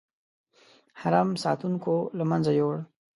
حرم ساتونکو له منځه یووړ.